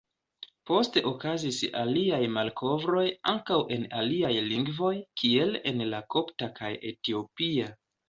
Poste okazis aliaj malkovroj ankaŭ en aliaj lingvoj kiel en la kopta kaj etiopia.